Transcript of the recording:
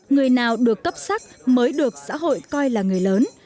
người nào được cấp sắc mới được xã hội coi là người lớn